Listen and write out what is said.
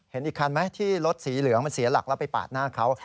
เห็นอีกคันไหมที่รถสีเหลืองมันเสียหลักแล้วไปปาดหน้าเขา